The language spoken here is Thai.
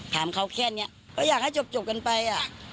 ถามเขาแค่นี้ก็อยากให้จบกันไป